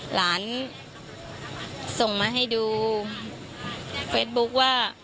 หลานส่งมาให้ดูเฟซบุ๊คว่า